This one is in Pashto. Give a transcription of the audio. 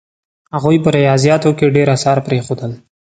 هغوی په ریاضیاتو کې ډېر اثار پرېښودل.